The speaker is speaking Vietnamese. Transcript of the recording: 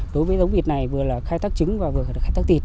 đối với giống vịt này vừa là khai thác trứng và vừa là khai thác thịt